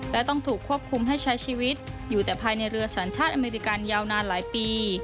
และต้องถูกควบคุมให้ใช้ชีวิตอยู่แต่ภายในเรือสัญชาติอเมริกันยาวนานหลายปี